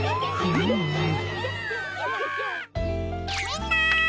みんな！